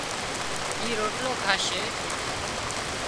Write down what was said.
اِي روٽلو کاشي